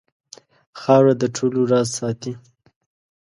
خاوره د ټولو راز ساتي.